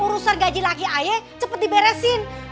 urusan gaji laki ayah cepet diberesin